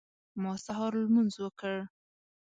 ما سهار لمونځ وکړ.